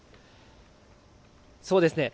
そうですね。